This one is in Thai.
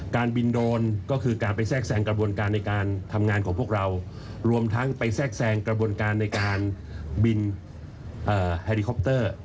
การบินโดนก็คือการไปแทรกแซงกระบวนการในการทำงานของพวกเรารวมทั้งไปแทรกแทรงกระบวนการในการบินไฮริคอปเตอร์